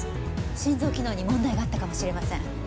心臓機能に問題があったかもしれません。